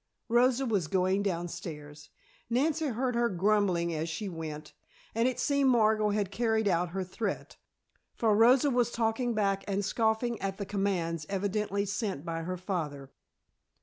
Rosa was going downstairs Nancy heard her grumbling as she went, and it seemed Margot had carried out her threat, for Rosa was talking back and scoffing at the commands evidently sent by her father.